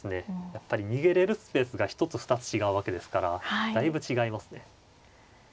やっぱり逃げれるスペースが１つ２つ違うわけですからだいぶ違いますね。